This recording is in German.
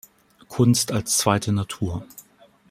Kunst als zweite Natur".